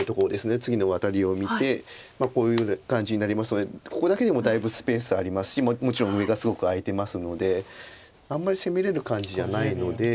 次のワタリを見てこういう感じになりますのでここだけでもだいぶスペースありますしもちろん上がすごく空いてますのであんまり攻めれる感じじゃないので。